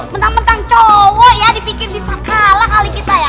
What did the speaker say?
mentang mentang cowok ya dipikir bisa kalah kali kita ya